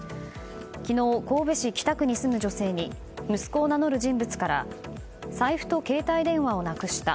昨日、神戸市北区に住む女性に息子を名乗る人物から財布と携帯電話をなくした。